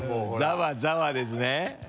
「ざわざわ」ですね。